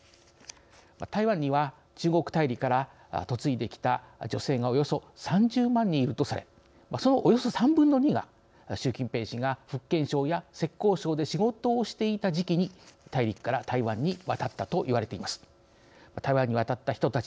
台湾には中国大陸から嫁いできた女性がおよそ３０万人いるとされそのおよそ３分の２が習近平氏が福建省や浙江省で仕事をしていた時期に大陸から台湾に渡ったと言われています。